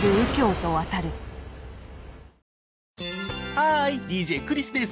ハーイＤＪクリスです。